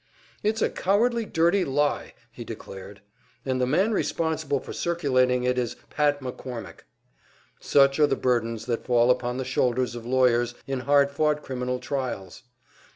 "It's a cowardly, dirty lie!" he declared. "And the man responsible for circulating it is Pat McCormick." Such are the burdens that fall upon the shoulders of lawyers in hard fought criminal trials!